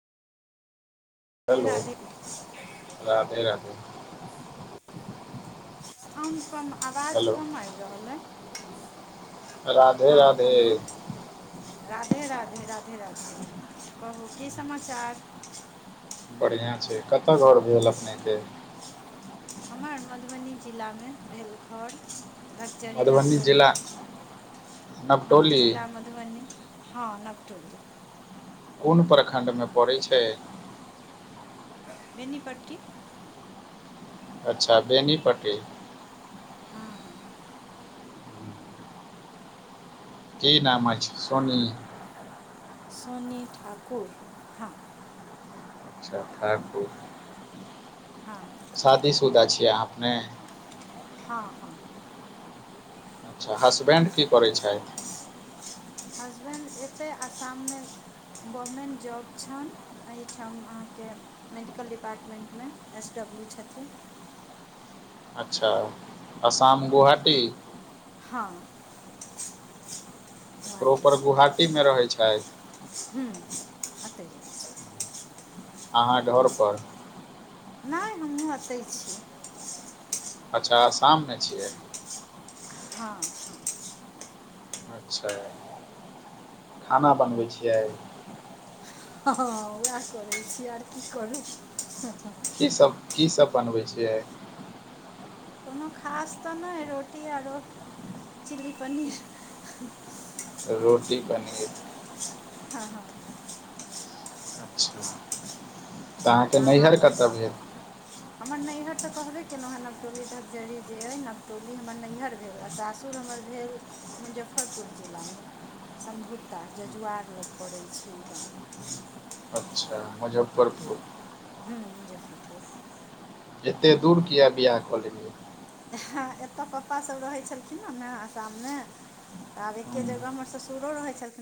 Radhe hello! Radhe Radhe -Radhe! अहाँ कम, आवाज हेलो कम आबि रहल अइ। राधे हँ राधे हलो। राधे-राधे, राधे-राधे कहू की समाचार। बढ़िआँ छैय कतय घर भेल अपनेके। हमर मधुबनी जिलामे भेल घर। धगचरी मधुबनी नवटोली, जिला हँ नवटोली जिला मधु मधुबनी हँ नवटोल। कोन प्रखण्डमे पड़ैत छैय। बेनीपट्टी। अच्छा बेनीपट्टी। ह- हँ। की नाम अछि सोनी। सोनि ठाकुर हाँ। अच्छा ठाकुर। हँ। शादी-शुदा छियै अहाँ अपने। हँ- हँ। अच्छा हसबैंड की करैत छाइथ। हसबैंड एतय आसाममे गवर्मेंट जॉब छनि एहिठाम अहाँके मेडिकल डिपार्टमेन्टमे एस- डब्लू छथिन। अच्छा आसाम गुहाटी। हँ। प्रोपर गुहाटीमे रहै छाइथ। हम्म एतहि रहै छैथ। अहाँ घर पर। नहि हमहुँ अतै छी। अच्छा आसाममे छियै। हँ -हँ। अच्छा, खाना बनबै छियै। हँ उएह करैत छी आर की करू। की सब, की सब बनबै छियै। कोनो खास तऽ नहि रोटी आरो चिली पनीर। रोटी पनीर। हँ- हँ। तऽ अहाँके अहाँ नैहिइर कतऽ भेल। हमर नैहर तऽ कहबे केलहुँ हेँ नवटोली धरजरी जे अइ नवटोली हमर नैहर भेल आ सासु सुर हमर भेल मुजफ्फरपुर जिलामे। सम्भुता जजुआर लग पड़ैत छैय ई गाम। अच्छा मुजफ्फरपुर। हूँ मुजफ्फरपुर। एते दूर किया बियाह कलेलियै। एतऽ पप्पा सब रहै छलखिन हँ ने आसाममे तऽ आब एके हम्म। जगह हमर ससुरो रहै छलखिन